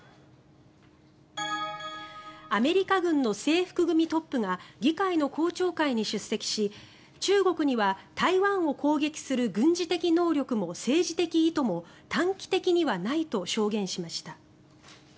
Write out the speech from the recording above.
アメリカ軍の制服組トップが議会の公聴会に出席し中国には台湾を攻撃する軍事的能力も政治的意図も短期的にはないと証言しました。